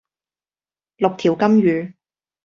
六條金魚